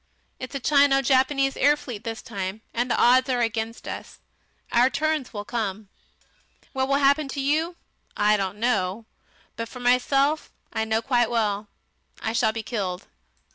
It's a Chino Japanese air fleet this time, and the odds are against us. Our turns will come. What will happen to you I don't know, but for myself, I know quite well; I shall be killed."